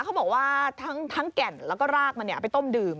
เขาบอกว่าทั้งแก่นแล้วก็รากมันไปต้มดื่ม